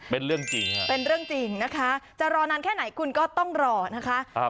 เป็นเรื่องจริงค่ะเป็นเรื่องจริงนะคะจะรอนานแค่ไหนคุณก็ต้องรอนะคะ